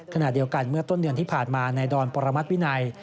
ขณะเดียวกันเมื่อต้นเดือนที่ผ่านมานายดอนปรมัติวินัย